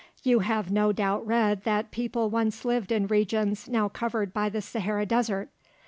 You have no doubt read that people once lived in regions now covered by the Sahara Desert.